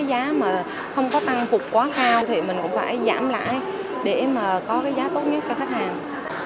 giá mà không có tăng phục quá cao thì mình cũng phải giảm lãi để mà có cái giá tốt nhất cho khách hàng